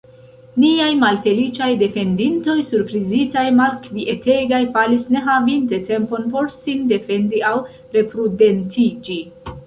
Niaj malfeliĉaj defendintoj, surprizitaj, malkvietegaj, falis ne havinte tempon por sin defendi aŭ reprudentiĝi.